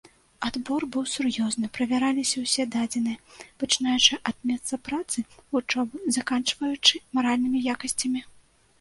Адбор быў сур'ёзны, правяраліся ўсе дадзеныя, пачынаючы ад месца працы, вучобы, заканчваючы маральнымі якасцямі.